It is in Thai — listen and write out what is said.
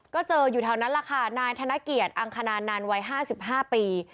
ก็เจออยู่แถวนั้นแหละค่ะนายธนเกียจอังคณานันต์วัย๕๕ปี